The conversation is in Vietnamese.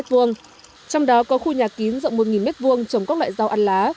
trong đó có khu nhà kín rộng một m hai trồng các loại rau ăn lá